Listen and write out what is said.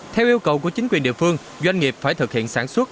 theo yêu cầu của chính quyền địa phương doanh nghiệp phải thực hiện sản xuất